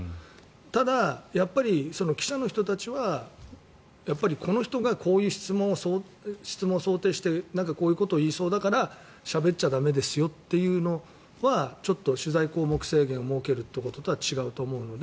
ただ、記者の人たちはこの人がこういう質問を想定してこういうことを言いそうだからしゃべっちゃ駄目ですよというのはちょっと取材項目制限を設けることとは違うと思うので。